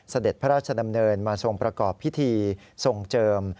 เสด็จพระราชดำเนินมาทรงประกอบพิธีทรงเจิม